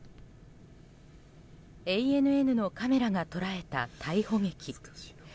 ＡＮＮのカメラが捉えた逮捕劇。